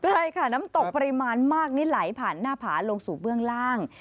ใช่ค่ะน้ำตกปริมาณมากนี่ไหลผ่านหน้าผาลงสู่เบื้องล่าง